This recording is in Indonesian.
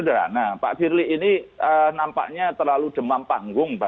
berkunjung ke sumatera selatan